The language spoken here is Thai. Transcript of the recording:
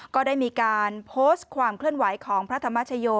ก็ได้มีการโพสต์ความเคลื่อนไหวของพระธรรมชโย